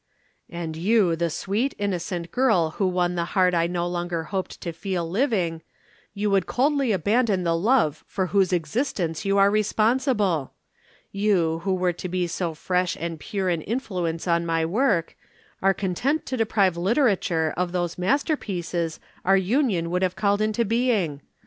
"And you the sweet, innocent girl who won the heart I no longer hoped to feel living, you would coldly abandon the love for whose existence you are responsible! You, who were to be so fresh and pure an influence on my work, are content to deprive literature of those masterpieces our union would have called into being!